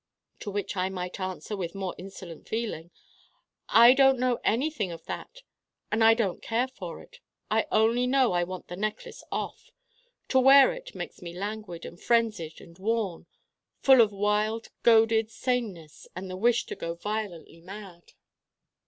To which I might answer, with more insolent feeling: 'I don't know anything of that and I don't care for it. I only know I want the Necklace off. To wear it makes me languid and frenzied and worn full of wild goaded saneness and the wish to go violently mad.